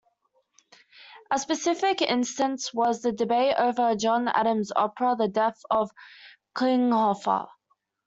A specific instance was the debate over John Adams's opera "The Death of Klinghoffer".